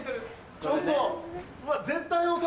ちょっと！